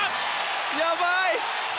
やばい！